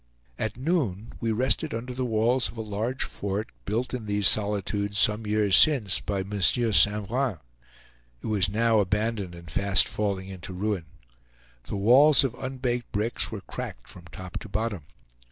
At noon we rested under the walls of a large fort, built in these solitudes some years since by M. St. Vrain. It was now abandoned and fast falling into ruin. The walls of unbaked bricks were cracked from top to bottom.